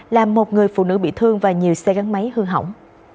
làm một người phụ nữ bị thương và nhiều xe gắn máy hư hỏng